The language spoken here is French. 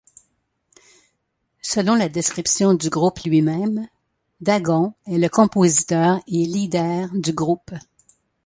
Selon la description du groupe lui-même, Dagon est le compositeur et leader du groupe.